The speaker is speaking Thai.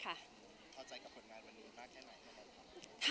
เข้าใจกับผลงานวันนี้มากแค่ไหนไหมครับ